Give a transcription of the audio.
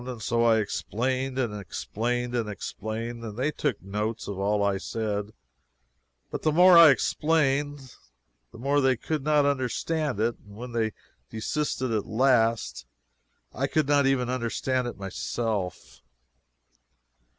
And so I explained and explained and explained, and they took notes of all I said, but the more I explained the more they could not understand it, and when they desisted at last, I could not even understand it myself.